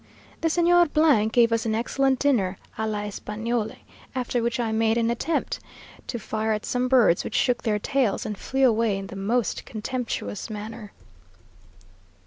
The Señor gave us an excellent dinner a l'Espagnole; after which I made an attempt to fire at some birds which shook their tails, and flew away in the most contemptuous manner....